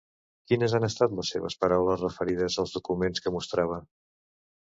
Quines han estat les seves paraules referides als documents que mostrava?